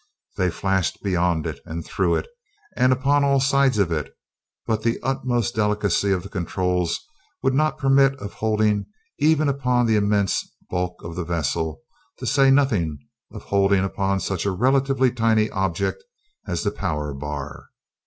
They flashed beyond it and through it and upon all sides of it, but the utmost delicacy of the controls would not permit of holding even upon the immense bulk of the vessel, to say nothing of holding upon such a relatively tiny object as the power bar.